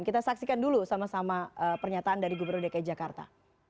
kita saksikan dulu sama sama pernyataan dari gubernur dki jakarta